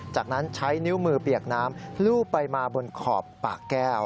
จากนั้นใช้นิ้วมือเปียกน้ำลูบไปมาบนขอบปากแก้ว